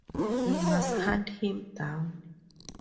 We must hunt him down.